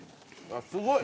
すごい。